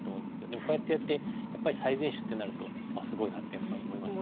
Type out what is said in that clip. でもこうやってやってやっぱり最善手ってなるとあっすごいなってやっぱ思いますね。